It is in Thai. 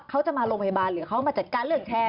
เขาจะมาโรงพยาบาลหรือเขามาจัดการเรื่องแชร์